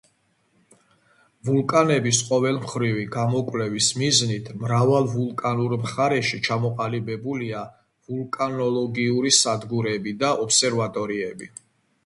ვულკანების ყოველმხრივი გამოკვლევის მიზნით, მრავალ ვულკანურ მხარეში ჩამოყალიბებულია ვულკანოლოგიური სადგურები და ობსერვატორიები.